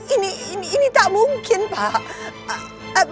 ini ini ini tak mungkin pak